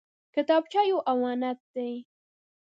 کتابچه یو امانت دی